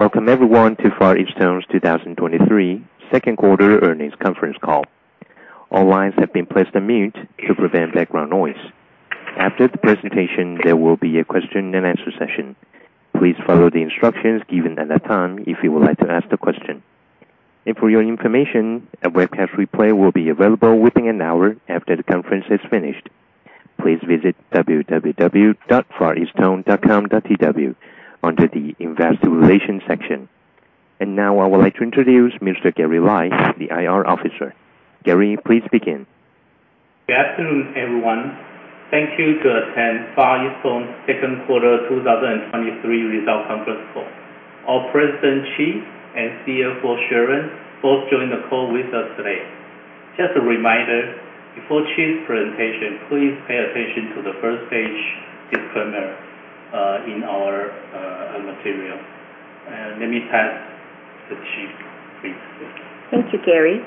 Welcome everyone to Far EasTone's 2023 second quarter earnings conference call. All lines have been placed on mute to prevent background noise. After the presentation, there will be a question and answer session. Please follow the instructions given at that time if you would like to ask the question. For your information, a webcast replay will be available within an hour after the conference is finished. Please visit www.fareastone.com.tw under the Investor Relations section. Now I would like to introduce Mr. Gary Lai, the IR officer. Gary, please begin. Good afternoon, everyone. Thank you to attend Far EasTone second quarter 2023 result conference call. Our President, Chee, and CFO, Sharon, both joined the call with us today. Just a reminder, before Chee's presentation, please pay attention to the first page disclaimer in our material. Let me pass to Chee, please. Thank you, Gary.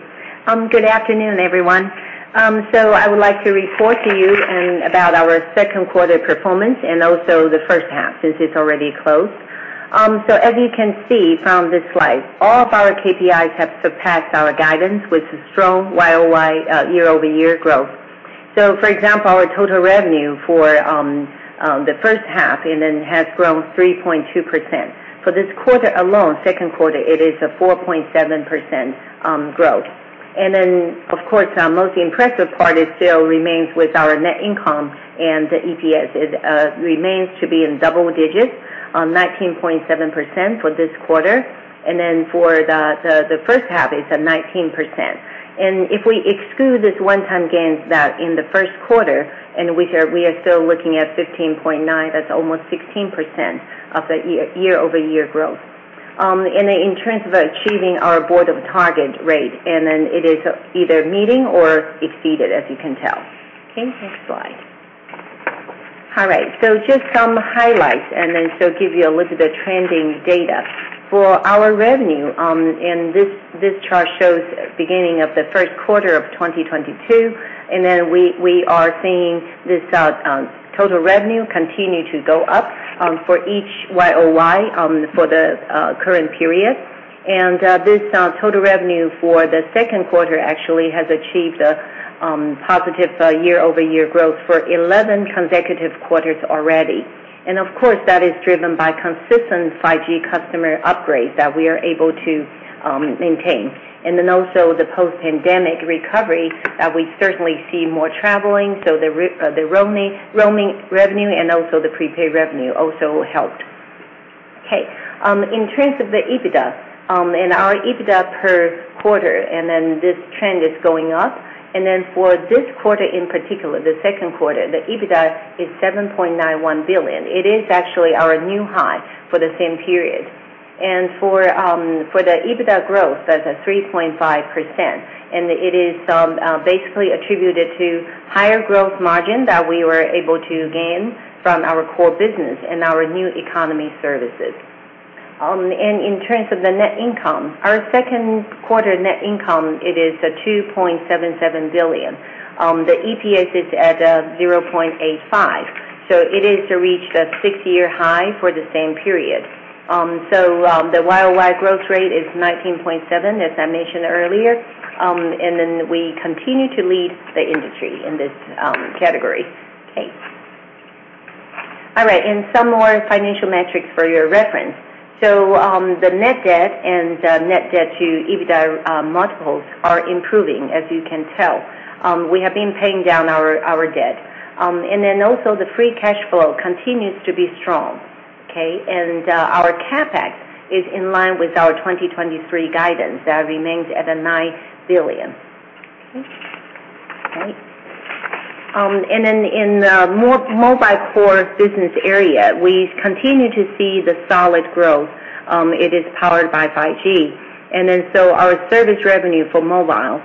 Good afternoon, everyone. I would like to report to you about our second quarter performance and also the first half, since it's already closed. As you can see from this slide, all of our KPIs have surpassed our guidance with a strong Y-O-Y, year-over-year growth. For example, our total revenue for the first half has grown 3.2%. For this quarter alone, second quarter, it is a 4.7% growth. Of course, our most impressive part still remains with our net income, and the EPS remains to be in double digits, 19.7% for this quarter. For the first half, it's at 19%. If we exclude this one-time gains that in the first quarter, and we are, we are still looking at 15.9, that's almost 16% of the year, year-over-year growth. In terms of achieving our board of target rate, and then it is either meeting or exceeded, as you can tell. Okay, next slide. All right, just some highlights, and then so give you a look at the trending data. For our revenue, and this, this chart shows beginning of the first quarter of 2022, and then we, we are seeing this total revenue continue to go up for each Y-O-Y for the current period. This total revenue for the second quarter actually has achieved a positive year-over-year growth for 11 consecutive quarters already. Of course, that is driven by consistent 5G customer upgrades that we are able to maintain, and then also the post-pandemic recovery, that we certainly see more traveling, so the roaming revenue and also the prepaid revenue also helped. Okay. In terms of the EBITDA, and our EBITDA per quarter, and then this trend is going up. For this quarter in particular, the second quarter, the EBITDA is NT$ 7.91 billion. It is actually our new high for the same period. For the EBITDA growth, that's at 3.5%, and it is basically attributed to higher growth margin that we were able to gain from our core business and our new economy services. In terms of the net income, our second quarter net income, it is NT$2.77 billion. The EPS is at 0.85, so it is to reach the six-year high for the same period. The Y-O-Y growth rate is 19.7%, as I mentioned earlier, we continue to lead the industry in this category. Some more financial metrics for your reference. The net debt and net debt to EBITDA multiples are improving, as you can tell. We have been paying down our debt. Also the free cash flow continues to be strong. Our CapEx is in line with our 2023 guidance that remains at NT$9 billion. In the mo- mobile core business area, we continue to see the solid growth. It is powered by 5G. Our service revenue for mobile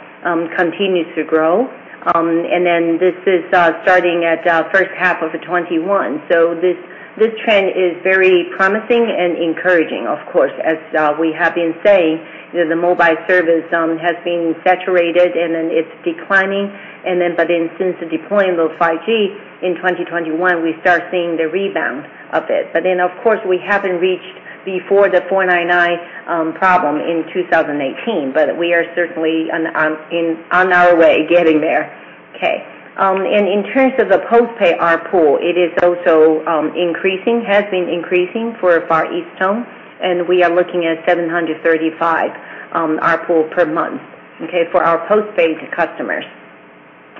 continues to grow. This is starting at first half of 2021. This, this trend is very promising and encouraging, of course, as we have been saying, you know, the mobile service has been saturated, and then it's declining. Since the deployment of 5G in 2021, we start seeing the rebound of it. Of course, we haven't reached before the 499 problem in 2018, but we are certainly on in, on our way getting there. Okay. In terms of the postpay RPU, it is also increasing, has been increasing for Far EasTone, and we are looking at 735 RPU per month, okay, for our postpaid customers.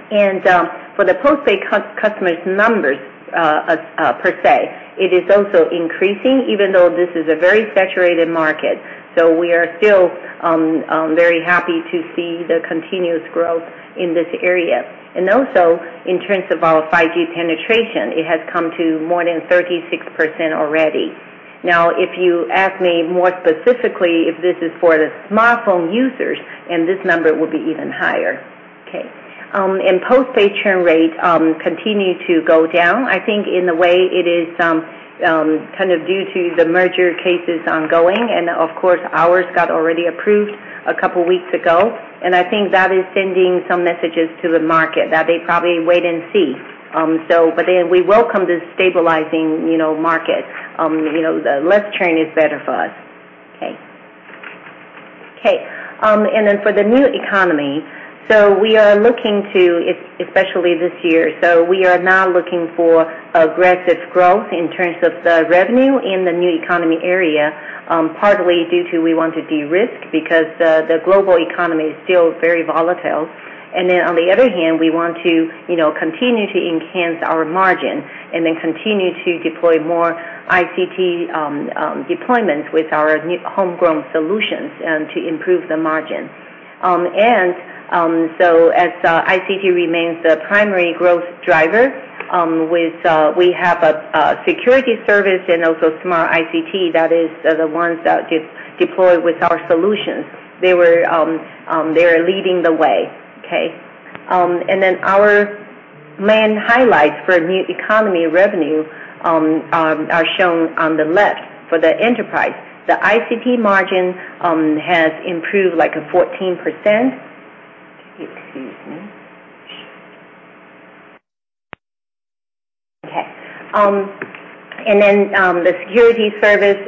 For the postpaid customers numbers per se, it is also increasing, even though this is a very saturated market. We are still very happy to see the continuous growth in this area. Also, in terms of our 5G penetration, it has come to more than 36% already. Now, if you ask me more specifically, if this is for the smartphone users, and this number will be even higher. Okay. Postpaid churn rate continue to go down. I think in a way it is, kind of due to the merger cases ongoing. Of course, ours got already approved a couple weeks ago. I think that is sending some messages to the market that they probably wait and see. But then we welcome this stabilizing, you know, market. You know, the less churn is better for us. Okay. Okay, then for the new economy, we are looking to, especially this year, we are now looking for aggressive growth in terms of the revenue in the new economy area, partly due to we want to de-risk because the, the global economy is still very volatile. On the other hand, we want to, you know, continue to enhance our margin and then continue to deploy more ICT deployments with our new homegrown solutions and to improve the margin. As ICT remains the primary growth driver, we have a security service and also smart ICT, that is the ones that de- deployed with our solutions. They were, they are leading the way, okay? Our main highlights for new economy revenue are shown on the left for the enterprise. The ICT margin has improved like a 14%. Excuse me. Okay. The security service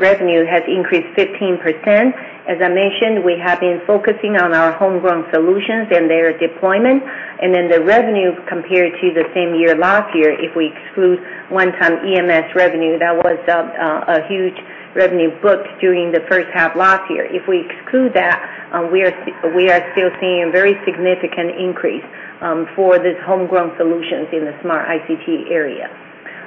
revenue has increased 15%. As I mentioned, we have been focusing on our homegrown solutions and their deployment, the revenue compared to the same year last year, if we exclude one-time EMS revenue, that was a huge revenue booked during the first half last year. If we exclude that, we are still seeing a very significant increase for this homegrown solutions in the smart ICT area.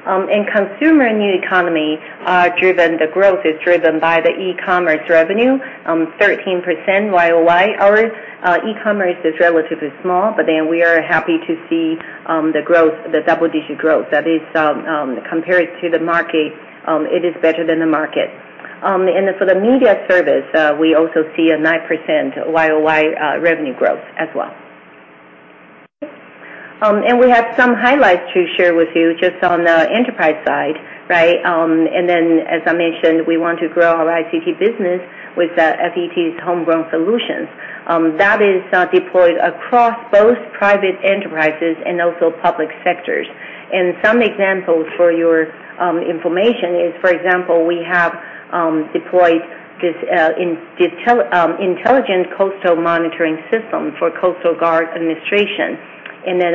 Consumer and new economy are driven, the growth is driven by the e-commerce revenue, 13% Y-O-Y. Our e-commerce is relatively small, we are happy to see the growth, the double-digit growth. That is compared to the market, it is better than the market. For the media service, we also see a 9% Y-O-Y revenue growth as well. We have some highlights to share with you just on the enterprise side, right? As I mentioned, we want to grow our ICT business with the FET homegrown solutions. That is deployed across both private enterprises and also public sectors. Some examples for your information is, for example, we have deployed this intelligent coastal monitoring system for Coast Guard Administration.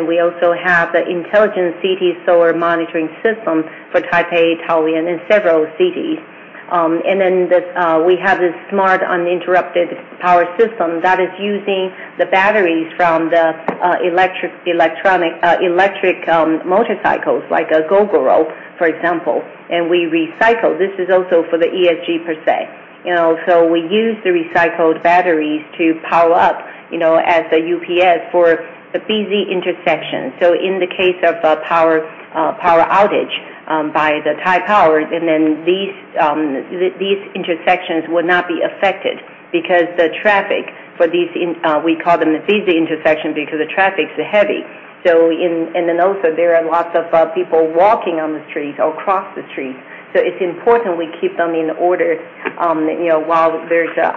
We also have the intelligent city solar monitoring system for Taipei, Taoyuan, and several cities. This, we have this smart, uninterrupted power system that is using the batteries from the electric motorcycles, like a Gogoro, for example, and we recycle. This is also for the ESG per se. You know, we use the recycled batteries to power up, you know, as a UPS for the busy intersection. In the case of a power, power outage, by the Taipower, and then these, these intersections would not be affected because the traffic for these in, we call them the busy intersection because the traffic is heavy. In, and then also there are lots of people walking on the street or across the street, so it's important we keep them in order, you know, while there's a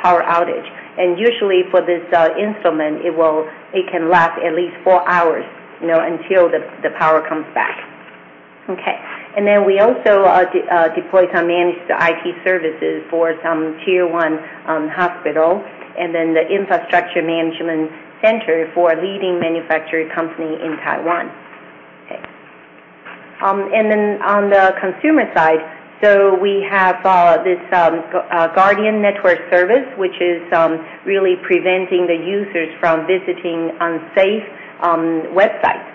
power outage. And usually for this instrument, it can last at least four hours, you know, until the, the power comes back. Okay. Then we also deployed some managed IT services for some tier one hospital, and then the infrastructure management center for a leading manufacturing company in Taiwan. Okay. On the consumer side, we have this Guardian Network service, which is really preventing the users from visiting unsafe websites.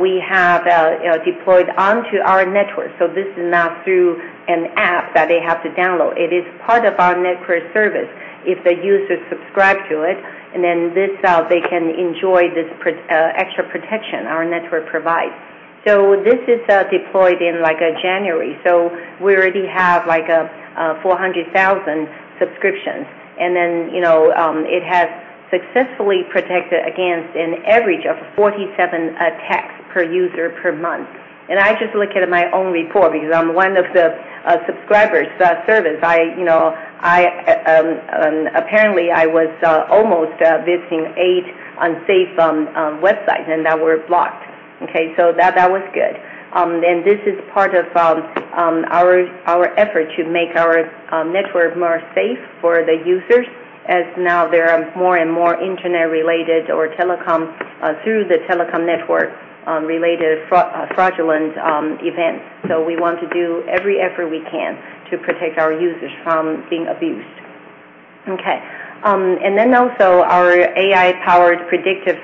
We have, you know, deployed onto our network. This is not through an app that they have to download. It is part of our network service. If the user subscribe to it, this they can enjoy this extra protection our network provides. This is deployed in, like, January, we already have 400,000 subscriptions. You know, it has successfully protected against an average of 47 attacks per user per month. I just look at my own report because I'm one of the subscribers to that service. I, you know, I, apparently I was almost visiting eight unsafe websites and that were blocked. Okay, that, that was good. This is part of our effort to make our network more safe for the users, as now there are more and more internet-related or telecom, through the telecom network, related fraudulent events. We want to do every effort we can to protect our users from being abused. Okay. Also our AI-powered predictive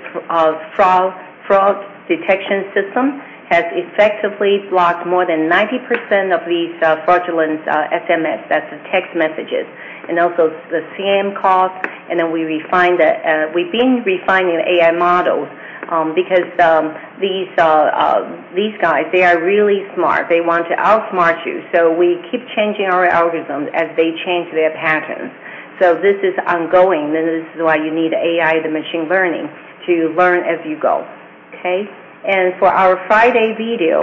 fraud, fraud detection system has effectively blocked more than 90% of these fraudulent SMS, that's the text messages, and also the scam calls. We've been refining the AI models because these guys, they are really smart. They want to outsmart you, so we keep changing our algorithms as they change their patterns. This is ongoing, and this is why you need AI, the machine learning, to learn as you go, okay? For our friDay Video,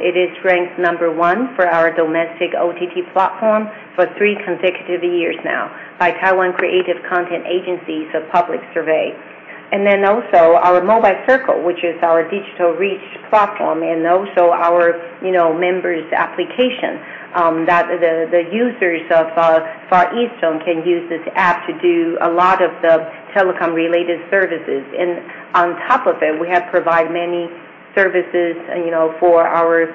it is ranked Number 1 for our domestic OTT platform for three consecutive years now by Taiwan Creative Content Agency, so public survey. Also our Mobile Circle, which is our digital reach platform, and also our, you know, members application, that the users of Far EasTone can use this app to do a lot of the telecom-related services. On top of it, we have provided many services, you know, for our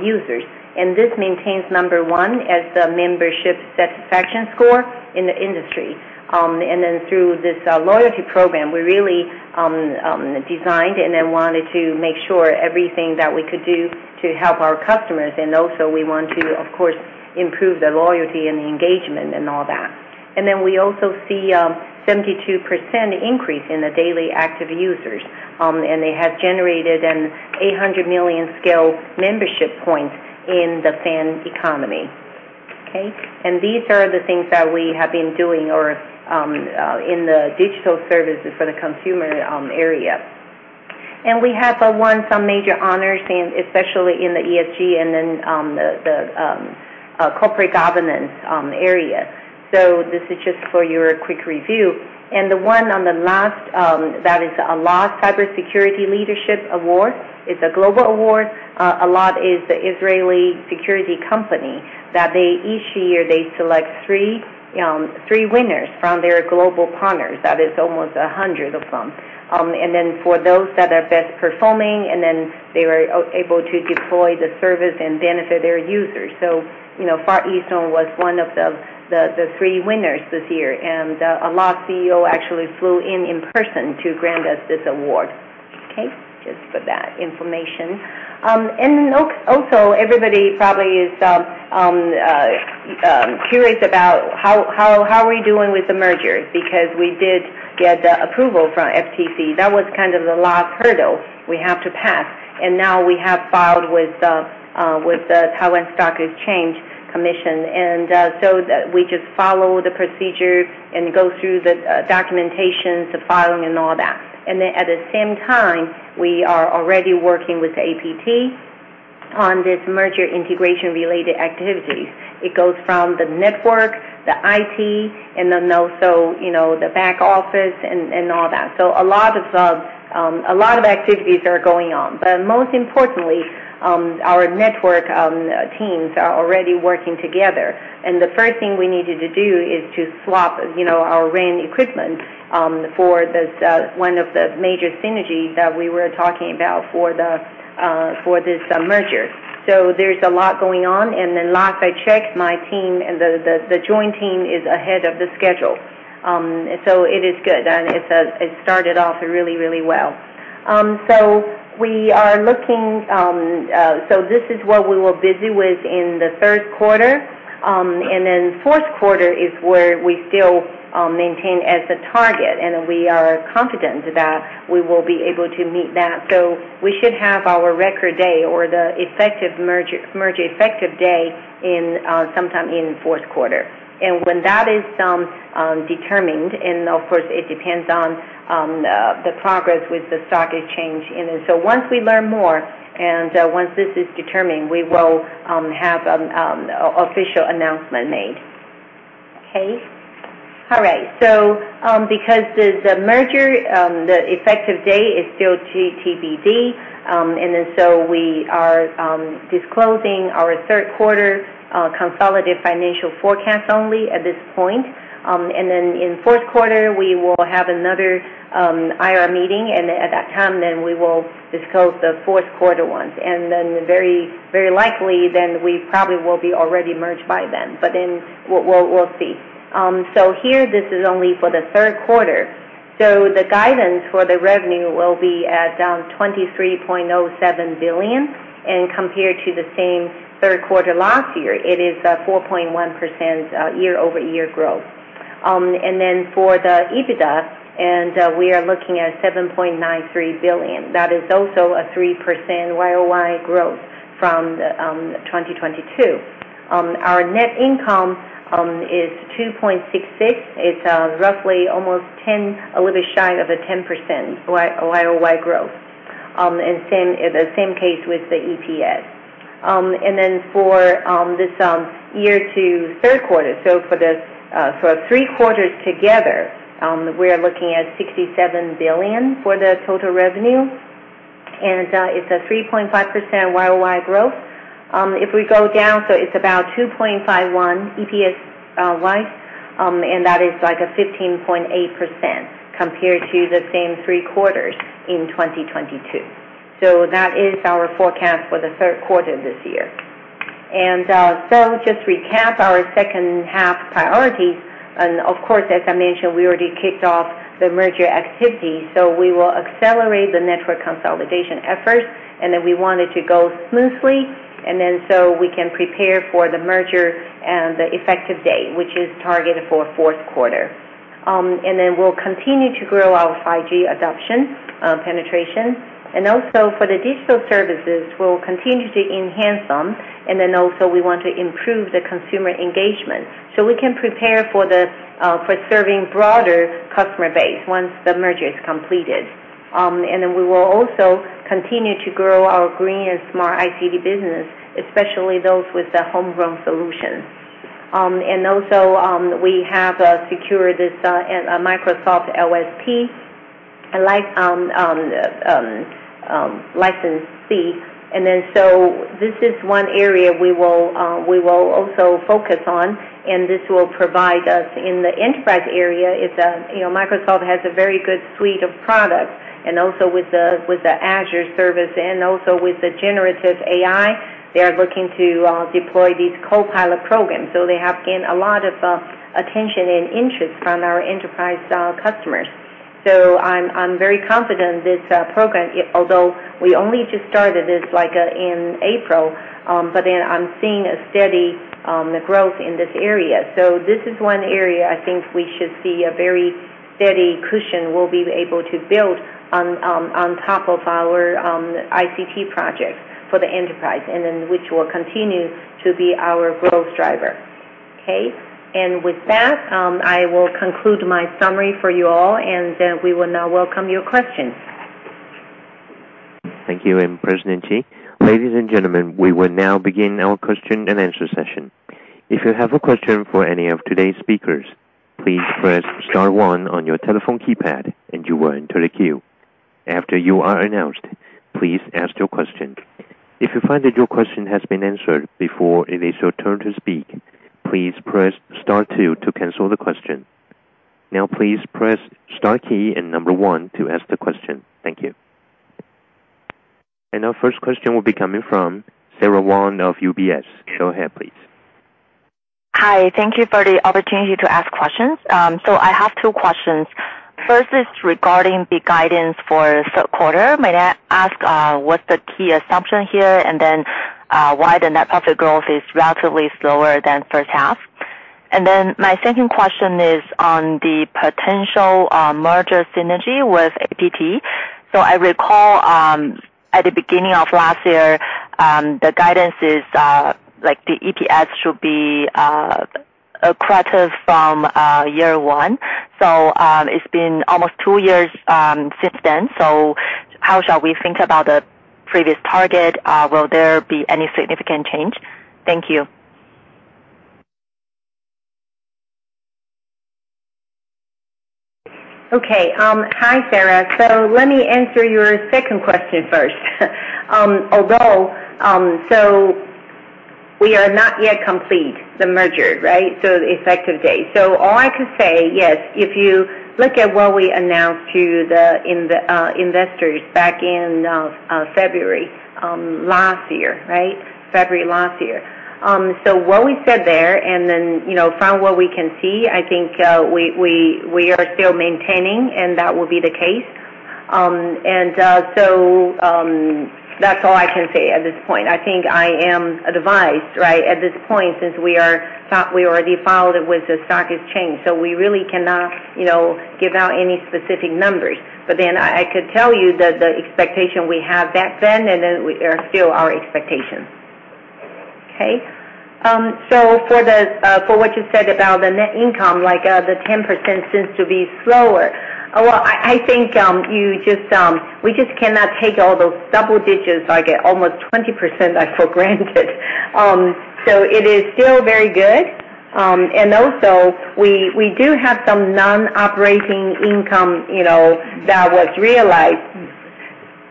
users, and this maintains Number 1 as the membership satisfaction score in the industry. Through this loyalty program, we really designed and wanted to make sure everything that we could do to help our customers. Also we want to, of course, improve the loyalty and the engagement and all that. We also see a 72% increase in the daily active users, and they have generated an 800 million scale membership points in the fan economy. Okay. These are the things that we have been doing or, in the digital services for the consumer area. We have won some major honors, and especially in the ESG and in the corporate governance area. This is just for your quick review. The one on the last, that is Allot Cybersecurity Leadership Award. It's a global award. Allot is the Israeli security company, that they each year, they select three winners from their global partners. That is almost 100 of them. For those that are best performing, and then they were able to deploy the service and benefit their users. You know, Far EasTone was one of the three winners this year, and Allot CEO actually flew in in person to grant us this award. Okay, just for that information. Also, everybody probably is curious about how, how, how are we doing with the merger, because we did get the approval from FTC. That was kind of the last hurdle we have to pass, and now we have filed with the Taiwan Stock Exchange. We just follow the procedure and go through the documentation, the filing, and all that. At the same time, we are already working with APT on this merger integration related activities. It goes from the network, the IT, and then also, you know, the back office and, and all that. A lot of the, a lot of activities are going on, but most importantly, our network, teams are already working together. The first thing we needed to do is to swap, you know, our RAN equipment, for the, one of the major synergy that we were talking about for the, for this, merger. There's a lot going on. Then last I checked, my team and the, the, the joint team is ahead of the schedule. It is good, and it, it started off really, really well. We are looking, so this is what we were busy with in the third quarter. Fourth quarter is where we still maintain as a target, and we are confident that we will be able to meet that. We should have our record day or the effective merger, merger effective day in sometime in fourth quarter. When that is determined, and of course, it depends on the progress with the Stock Exchange. Once we learn more, and once this is determined, we will have official announcement made. Okay? All right. Because the merger, the effective date is still TBD, we are disclosing our third quarter consolidated financial forecast only at this point. In fourth quarter, we will have another IR meeting, and at that time, then we will disclose the fourth quarter ones, and then very, very likely, then we probably will be already merged by then. We'll, we'll see. Here, this is only for the third quarter. The guidance for the revenue will be at NT$ 23.07 billion, and compared to the same third quarter last year, it is a 4.1% year-over-year growth. For the EBITDA, we are looking at NT$ 7.93 billion. That is also a 3% Y-O-Y growth from 2022. Our net income is NT$ 2.66. It's roughly almost 10, a little bit shy of a 10% Y-O-Y growth. The same case with the EPS. For this year to third quarter, for three quarters together, we are looking at NT$67 billion for the total revenue. It's a 3.5% Y-O-Y growth. If we go down, it's about 2.51 EPS wise, and that is like a 15.8% compared to the same three quarters in 2022. That is our forecast for the third quarter this year. Just to recap our second-half priorities, as I mentioned, we already kicked off the merger activity. We will accelerate the network consolidation efforts. We want it to go smoothly. We can prepare for the merger and the effective date, which is targeted for fourth quarter. We'll continue to grow our 5G adoption, penetration, and also for the digital services, we'll continue to enhance them. Also, we want to improve the consumer engagement, so we can prepare for serving broader customer base once the merger is completed. We will also continue to grow our green and smart ICT business, especially those with the homegrown solutions. Also, we have secured this a Microsoft LSP license fee. This is one area we will also focus on, and this will provide us in the enterprise area. It's a, you know, Microsoft has a very good suite of products, and also with the, with the Azure service and also with the generative AI, they are looking to deploy these Copilot programs. They have gained a lot of attention and interest from our enterprise customers. I'm, I'm very confident this program, although we only just started this, like, in April, but then I'm seeing a steady growth in this area. This is one area I think we should see a very steady cushion we'll be able to build on, on top of our ICT projects for the enterprise, and then which will continue to be our growth driver. Okay? With that, I will conclude my summary for you all, and then we will now welcome your questions. Thank you, President Chee. Ladies and gentlemen, we will now begin our question and answer session. If you have a question for any of today's speakers, please press star one on your telephone keypad, and you will enter the queue. After you are announced, please ask your question. If you find that your question has been answered before it is your turn to speak, please press star two to cancel the question. Now, please press star key and number one to ask the question. Thank you. Our first question will be coming from Sarah Wang of UBS. Go ahead, please. Hi, thank you for the opportunity to ask questions. I have two questions. First is regarding the guidance for third quarter. May I ask what's the key assumption here? Why the net profit growth is relatively slower than first half. My second question is on the potential merger synergy with APT. I recall, at the beginning of last year, the guidance is, the EPS should be accretive from year one. It's been almost two years since then. How shall we think about the previous target? Will there be any significant change? Thank you. Okay, hi, Sarah. Let me answer your second question first. Although, so we are not yet complete the merger, right? The effective date. All I can say, yes, if you look at what we announced to the, in the investors back in February last year, right? February last year. What we said there and then, you know, from what we can see, I think, we, we, we are still maintaining, and that will be the case. That's all I can say at this point. I think I am advised, right, at this point, since we are not, we already filed it with the Stock Exchange, so we really cannot, you know, give out any specific numbers. I, I could tell you that the expectation we have back then and then are still our expectations. Okay? For the, for what you said about the net income, like, the 10% seems to be slower. Well, I, I think, you just, we just cannot take all those double digits, like almost 20%, like, for granted. It is still very good. And also we, we do have some non-operating income, you know, that was realized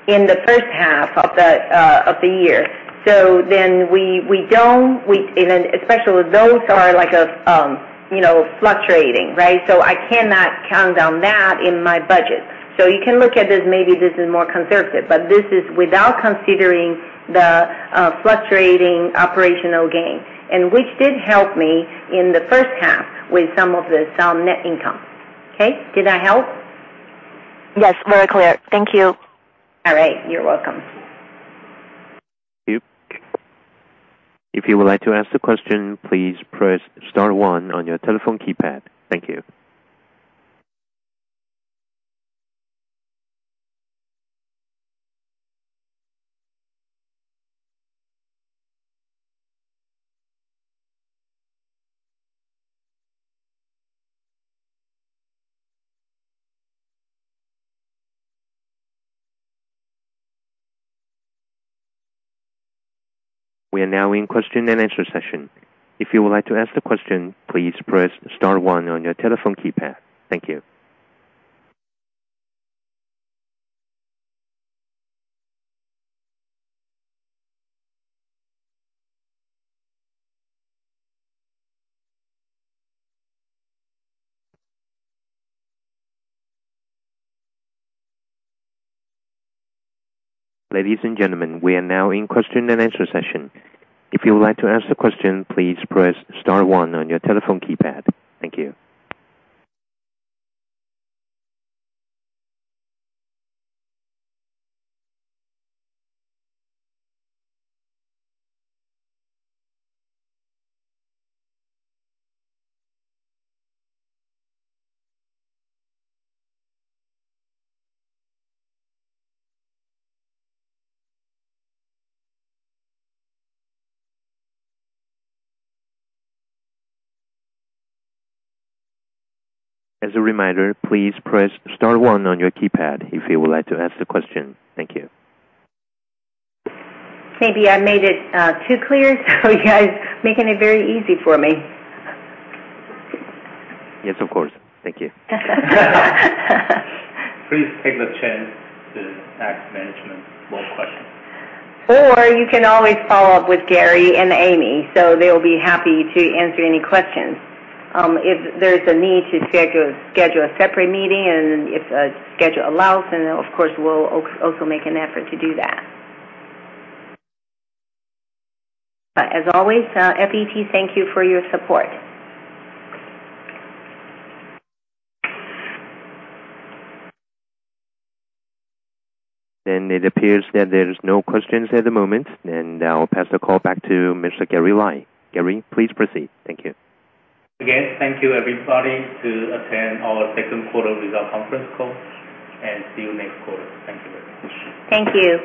in the first half of the, of the year. Then we, we don't. We even, especially those are like a, you know, fluctuating, right? I cannot count down that in my budget. You can look at this, maybe this is more conservative, but this is without considering the fluctuating operational gain, and which did help me in the first half with some of the sound net income. Okay? Did I help? Yes, very clear. Thank you. All right. You're welcome. If you would like to ask the question, please press star one on your telephone keypad. Thank you. We are now in question and answer session. If you would like to ask the question, please press star one on your telephone keypad. Thank you. Ladies and gentlemen, we are now in question and answer session. If you would like to ask the question, please press star one on your telephone keypad. Thank you. As a reminder, please press star one on your keypad if you would like to ask the question. Thank you. Maybe I made it, too clear, so you guys making it very easy for me. Yes, of course. Thank you. Please take the chance to ask management more questions. You can always follow up with Gary and Amy, so they will be happy to answer any questions. If there's a need to schedule, schedule a separate meeting and if the schedule allows, then of course, we'll also make an effort to do that. As always, FET, thank you for your support. It appears that there is no questions at the moment. I'll pass the call back to Mr. Gary Lai. Gary, please proceed. Thank you. Thank you everybody to attend our second quarter result conference call. See you next quarter. Thank you very much. Thank you.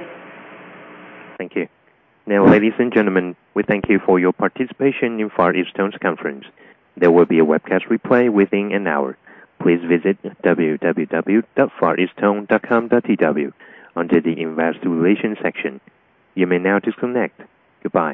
Thank you. Now, ladies and gentlemen, we thank you for your participation in Far EasTone's conference. There will be a webcast replay within an hour. Please visit www.fareastone.com.tw under the Investor Relations section. You may now disconnect. Goodbye.